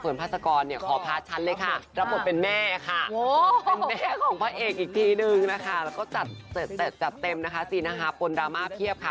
แล้วก็จัดเต็ดจัดเต็มนะคะซีนนะคะปนรามาเพียบค่ะ